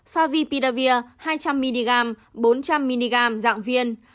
favipidavir hai trăm linh mg bốn trăm linh mg dạng viên